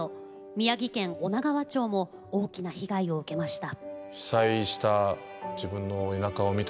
宮城県女川町も大きな被害を受けました。